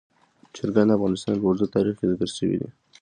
چرګان د افغانستان په اوږده تاریخ کې ذکر شوی دی.